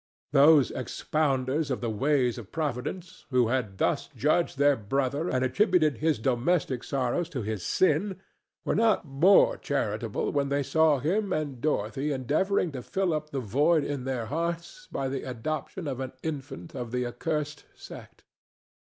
Those expounders of the ways of Providence, who had thus judged their brother and attributed his domestic sorrows to his sin, were not more charitable when they saw him and Dorothy endeavoring to fill up the void in their hearts by the adoption of an infant of the accursed sect.